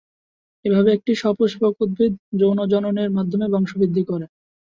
এভাবে একটি সপুষ্পক উদ্ভিদ যৌন জনন -এর মাধ্যমে বংশ বৃদ্ধি করে।